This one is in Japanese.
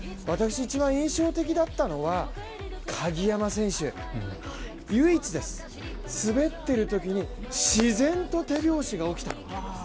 私、一番印象的だったのは、鍵山選手唯一です、滑っているときに自然と手拍子が起きた。